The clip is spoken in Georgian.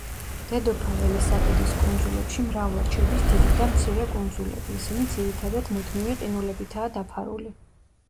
დედოფალ ელისაბედის კუნძულებში მრავლად შედის დიდი და მცირე კუნძულები, ისინი ძირითადად მუდმივი ყინულებითაა დაფარული.